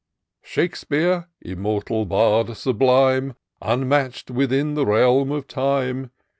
'^ Shakespeare, immortal Bard sublime! Unmatch'd within the realm of time!